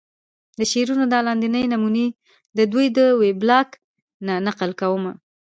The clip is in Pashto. د شعرونو دا لاندينۍ نمونې ددوې د وېبلاګ نه نقل کومه